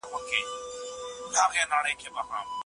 زما پر ټوله وجود واک و اختیار ستا دی